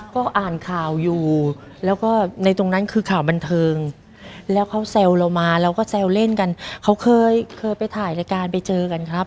ก็อ่านข่าวอยู่แล้วก็ในตรงนั้นคือข่าวบันเทิงแล้วเขาแซวเรามาเราก็แซวเล่นกันเขาเคยเคยไปถ่ายรายการไปเจอกันครับ